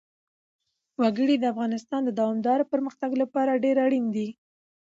وګړي د افغانستان د دوامداره پرمختګ لپاره ډېر اړین دي.